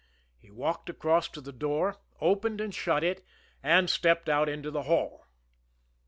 He walked across to the door, opened and shut it, and stepped out into the hall.